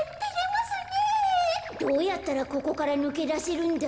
どうやったらここからぬけだせるんだ？